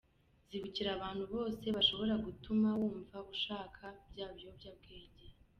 Zibukira abantu bose bashobora gutuma wumva ushaka bya biyobwabwenge!.